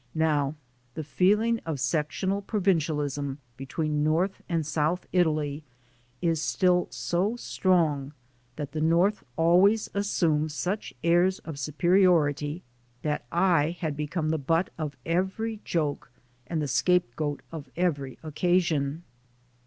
Now, the feeling of sectional provincialism between north and south Italy is still so strong, and the North always assumes such airs of superiority, that I had become the butt of every joke and the scapegoat of every occasion.